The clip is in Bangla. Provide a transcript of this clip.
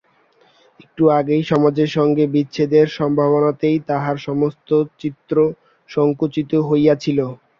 একটু আগেই সমাজের সঙ্গে বিচ্ছেদের সম্ভাবনাতেই তাহার সমস্ত চিত্ত সংকুচিত হইয়াছিল।